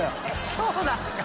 そうなんですか？